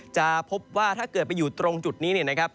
จะพบว่าถ้าเกิดไปอยู่ตรงจุดนี้